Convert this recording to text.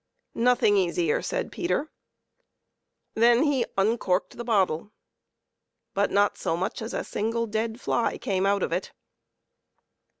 " Nothing easier," said Peter. Then he uncorked the bottle, but not so much as a single dead fly came out of it.